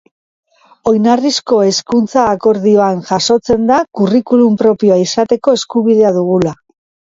Oinarrizko Hezkuntza Akordioan jasotzen da curriculum propioa izateko eskubidea dugula.